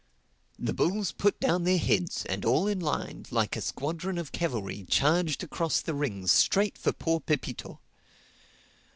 The bulls put down their heads and all in line, like a squadron of cavalry, charged across the ring straight for poor Pepito.